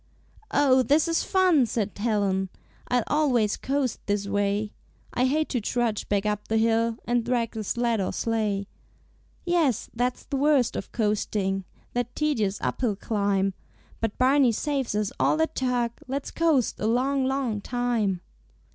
"Oh, this is fun!" said Helen, "I'll always coast this way; I hate to trudge back up the hill, And drag the sled or sleigh." "Yes, that's the worst of coasting, That tedious uphill climb; But Barney saves us all that tug, Let's coast a long, long time."